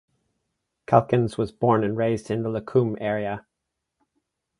Calkins was born and raised in the Lacombe area.